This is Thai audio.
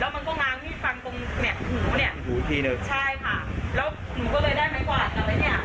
แล้วมันก็งางมิดฟันตรงแม็กซ์หูเนี่ยหูทีนึงใช่ค่ะแล้วหูก็เลยได้ไม้กวาดกันไว้เนี่ย